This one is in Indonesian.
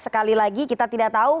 sekali lagi kita tidak tahu